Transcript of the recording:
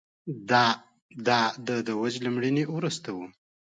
دا د دوج له مړینې وروسته و